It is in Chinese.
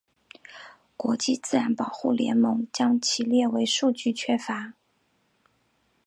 国际自然保护联盟将其列为数据缺乏。